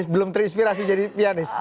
belum terinspirasi jadi pianis